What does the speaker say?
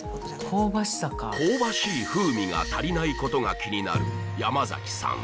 香ばしい風味が足りないことが気になる山さん